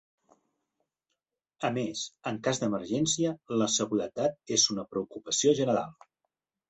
A més, en cas d'emergència, la seguretat és una preocupació general.